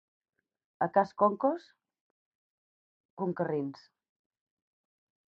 A cas Concos, concarrins.